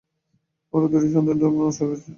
ওরা দুটো সন্তান নষ্ট হয়েছে।